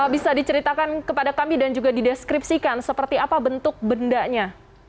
bisa diceritakan kepada kami dan juga dideskripsikan seperti apa bentuk bendanya